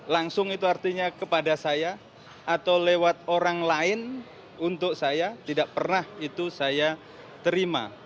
langsung itu artinya kepada saya atau lewat orang lain untuk saya tidak pernah itu saya terima